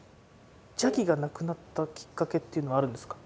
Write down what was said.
邪気がなくなったきっかけっていうのはあるんですか？